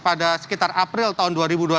pada sekitar april tahun dua ribu dua puluh